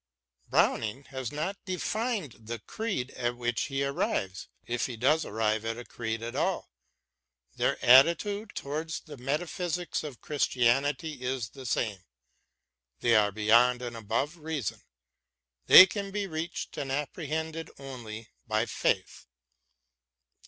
Browning has not defined the creed at which he arrives — ^if he does arrive at a creed at all. Their attitude towards the metaphysics of Christianity is the same: they are beyond and above reason ; they can be reached and apprehended only by faith.